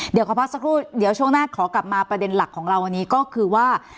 เดี๋ยวขอพักสักครู่เดี๋ยวช่วงหน้าขอกลับมาประเด็นหลักของเราวันนี้ก็คือว่า